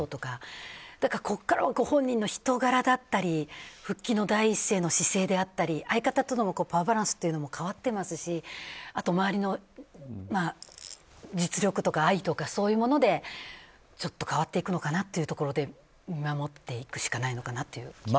ここからはご本人の人柄だったり復帰の第一声の姿勢であったり相方とのパワーバランスというのも変わっていますしあと周りの実力とか愛とかそういうものでちょっと変わっていくなかってところで見守っていくしかないのかなと。